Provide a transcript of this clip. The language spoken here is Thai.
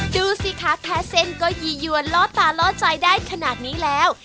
ดูสิคะแค่เส้นก็ยียวนล่อตาล่อใจได้ขนาดนี้แล้ว